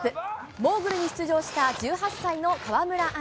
モーグルに出場した１８歳の川村あん